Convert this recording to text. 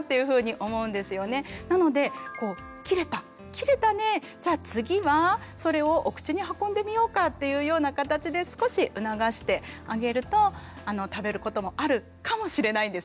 切れたねじゃあ次はそれをお口に運んでみようか」っていうような形で少し促してあげると食べることもあるかもしれないんですね。